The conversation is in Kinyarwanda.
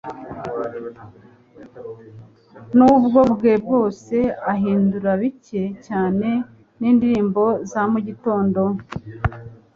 Muburyo bwe bwose ahindura bike cyane nindirimbo za mugitondo